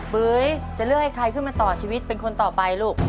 ปุ๋ยจะเลือกให้ใครขึ้นมาต่อชีวิตเป็นคนต่อไปลูก